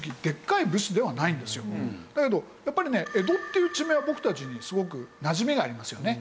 だけどやっぱりね「江戸」っていう地名は僕たちにすごくなじみがありますよね。